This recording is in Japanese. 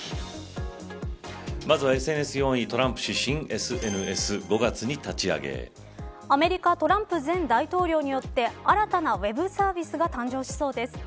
まずは、ＳＮＳ４位トランプ氏、新ＳＮＳアメリカトランプ前大統領によって新たなウェブサービスが誕生しそうです。